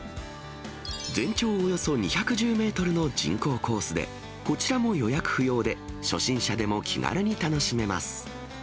全長およそ２１０メートルの人工コースで、こちらも予約不要で、初心者でも気軽に楽しめます。